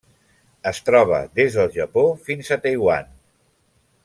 Es troba des del Japó fins a Taiwan.